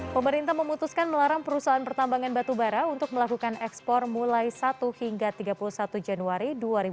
pemerintah memutuskan melarang perusahaan pertambangan batubara untuk melakukan ekspor mulai satu hingga tiga puluh satu januari dua ribu dua puluh